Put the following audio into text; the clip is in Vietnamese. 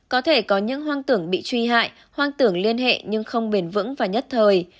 có thể có những hoang tưởng bị truy hại hoang tưởng liên hệ nhưng không bền vững và nhất thời